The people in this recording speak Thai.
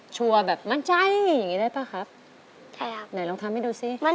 ชัวร์แบบมั่นใจอย่างนี้ได้เปล่าครับ